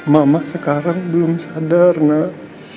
mama sekarang belum sadar nak